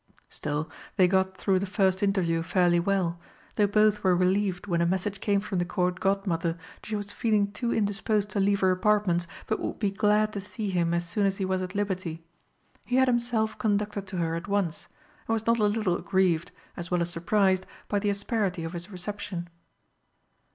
Still, they got through the first interview fairly well, though both were relieved when a message came from the Court Godmother that she was feeling too indisposed to leave her apartments, but would be glad to see him as soon as he was at liberty. He had himself conducted to her at once, and was not a little aggrieved, as well as surprised, by the asperity of his reception.